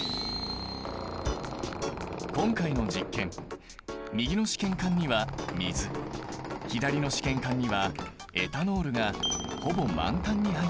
今回の実験右の試験管には水左の試験管にはエタノールがほぼ満タンに入っている。